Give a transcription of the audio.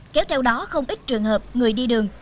kéo theo đó không ít trường hợp người đi đường